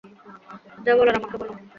যা বলার আমাকে বলুন।